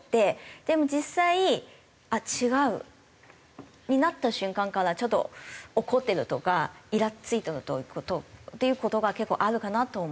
でも実際あっ違うになった瞬間からちょっと怒ってるとかイラついてっていう事が結構あるかなと思って。